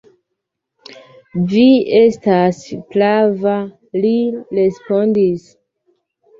Vi estas prava, li respondis.